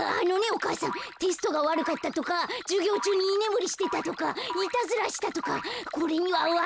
お母さんテストがわるかったとかじゅぎょうちゅうにいねむりしてたとかいたずらしたとかこれにはわけがあって。